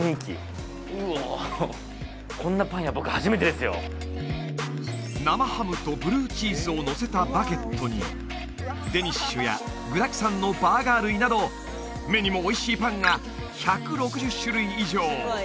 ですよこれは生ハムとブルーチーズをのせたバゲットにデニッシュや具だくさんのバーガー類など目にもおいしいパンが１６０種類以上！